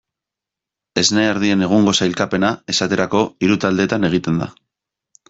Esne ardien egungo sailkapena, esaterako, hiru taldetan egiten da.